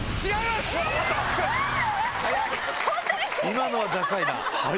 今のはダサいな。